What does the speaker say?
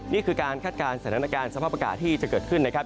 นี่คือการคาดการณ์สถานการณ์สภาพอากาศที่จะเกิดขึ้นนะครับ